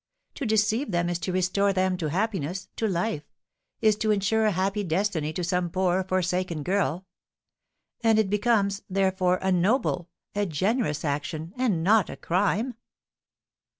To deceive them is to restore them to happiness, to life, is to ensure a happy destiny to some poor, forsaken girl; and it becomes, therefore, a noble, a generous action, and not a crime!"